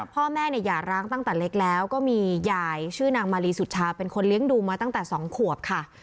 พ่อแม่เนี่ยอย่าร้างตั้งแต่เล็กแล้วก็มียายชื่อนางมาลีสุชาเป็นคนเลี้ยงดูมาตั้งแต่๒ขวบค่ะ